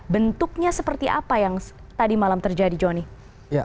bentuknya seperti apa yang tadi malam terjadi johnny